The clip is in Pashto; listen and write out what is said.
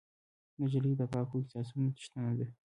نجلۍ د پاکو احساسونو څښتنه ده.